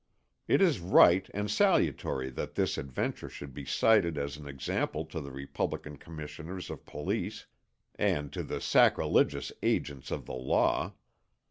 It is right and salutary that this adventure should be cited as an example to the Republican Commissioners of Police and to the sacrilegious agents of the law.